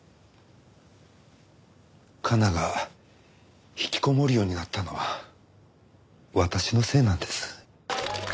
加奈が引きこもるようになったのは私のせいなんです。